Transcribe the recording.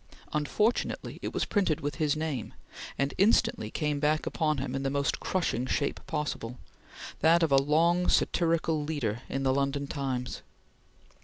Unfortunately it was printed with his name, and instantly came back upon him in the most crushing shape possible that of a long, satirical leader in the London Times.